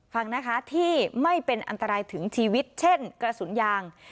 ฟังนะคะที่ไม่เป็นอันตรายถึงชีวิตเช่นกระสุนยาง